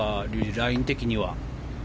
ライン的には。